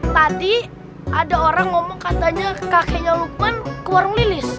tadi ada orang ngomong katanya kakeknya lukman ke warung lilis